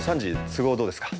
都合どうですか？